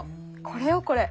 これよこれ。